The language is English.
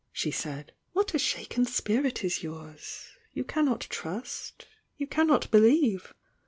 she said. "What a shaken spirit is yours!— You cannot trust— you cannot believe!